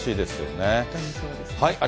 本当にそうですね。